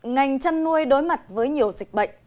ngành chăn nuôi đối mặt với nhiều dịch bệnh